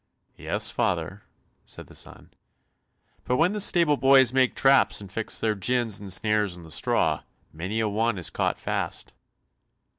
"Yes, father," said the son, "but when the stable boys make traps and fix their gins and snares in the straw, many a one is caught fast."